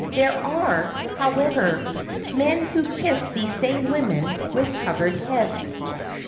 There are, however, men who kiss these same women with covered heads.